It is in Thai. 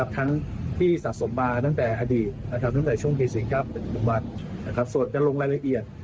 ทั้งที่สะสมมาตั้งแต่อดีตตั้งแต่ช่วงที่๔๙บส่วนเป็นลงรายละเอียด